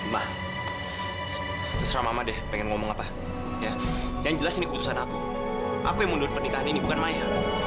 ma terserah mama deh pengen ngomong apa yang jelas ini keputusan aku aku yang mundur pernikahan ini bukan maya